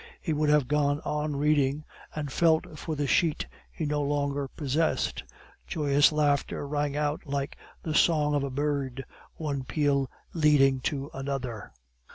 He would have gone on reading, and felt for the sheet he no longer possessed. Joyous laughter rang out like the song of a bird, one peal leading to another.